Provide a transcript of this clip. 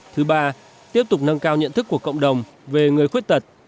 thứ ba tiếp tục nâng cao nhận thức của cộng đồng về người khuyết tật